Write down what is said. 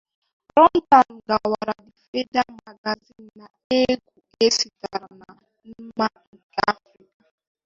Runtown gwara "The Fader" magazine na egwu a sitere na mma nke Afrịka.